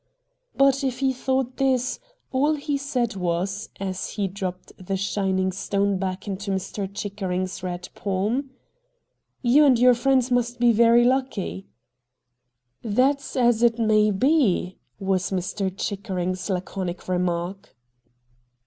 But if he thought this, all he said was, as he dropped the shining stone back into Mr. Chickering's red palm :' You and your friends must be very lucky.' ' That's as it may be,' was Mr. Chickering's laconic remark.